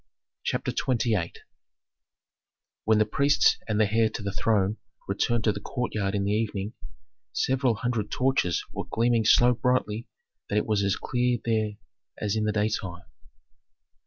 CHAPTER XXVIII When the priests and the heir to the throne returned to the courtyard in the evening, several hundred torches were gleaming so brightly that it was as clear there as in the daytime.